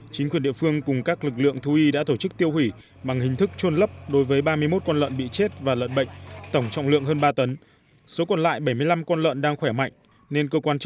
chính quyền địa phương cùng các lực lượng thú y đã tổ chức tiêu hủy bằng hình thức trôn lấp đối với ba mươi một con lợn bị chết và lợn bệnh